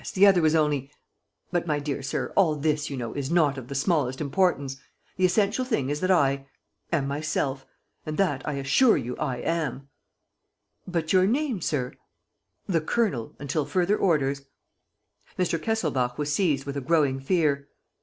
.. the other was only ... But, my dear sir, all this, you know, is not of the smallest importance. The essential thing is that I ... am myself. And that, I assure you, I am!" "But your name, sir? ..." "The Colonel ... until further orders." Mr. Kesselbach was seized with a growing fear.